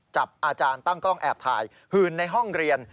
จับอาจารย์ตั้งกล้องแอบถ่ายหื่นในห้องเรียน